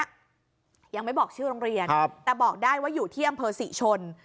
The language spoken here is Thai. ยังไม่บอกชื่อโรงเรียนแต่บอกได้ว่าอยู่ที่อำเภอศรีชน